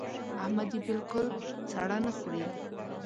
احمد يې بالکل سړه نه خوري.